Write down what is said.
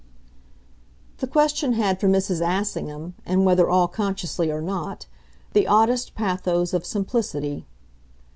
The question had for Mrs. Assingham and whether all consciously or not the oddest pathos of simplicity.